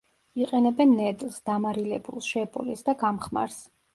იყენებენ ნედლს, დამარილებულს, შებოლილს და გამხმარს.